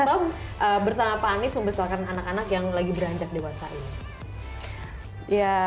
atau bersama pak anies membesarkan anak anak yang lagi beranjak dewasa ini